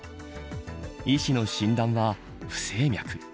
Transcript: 医師の診断は不整脈。